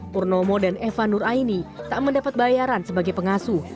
purnomo dan eva nuraini tak mendapat bayaran sebagai pengasuh